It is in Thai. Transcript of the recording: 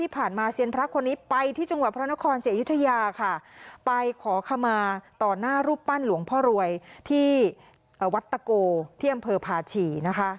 ไปขอคำมาต่อหน้ารูปปั้นหลวงพ่อรวยที่วัดตะโกเที่ยมเพอร์พาชี